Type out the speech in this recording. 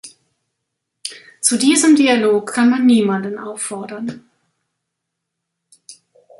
Zu diesem Dialog kann man niemanden auffordern.